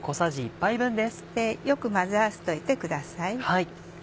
よく混ぜ合わせといてください。